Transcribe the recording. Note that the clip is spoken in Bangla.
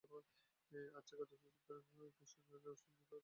আজ একাদশী সুতরাং আজ কৃষ্ণদয়ালের স্বপাকের কোনো আয়োজন নাই।